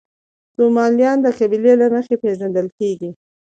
سومالیان د قبیلې له مخې پېژندل کېږي.